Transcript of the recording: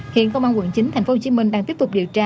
hiện công an quận chín tp hcm đang tiếp tục điều tra